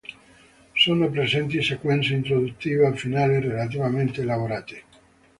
Sono presenti sequenze introduttiva e finale relativamente elaborate.